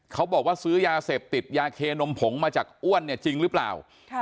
เขาบอกว่าซื้อยาเสพติดยาเคนมผงมาจากอ้วนเนี่ยจริงหรือเปล่า